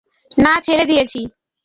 না, ছেড়ে দিয়েছি।